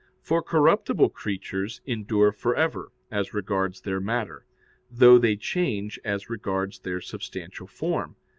For corruptible creatures endure for ever as regards their matter, though they change as regards their substantial form.